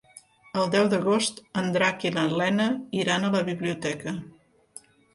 El deu d'agost en Drac i na Lena iran a la biblioteca.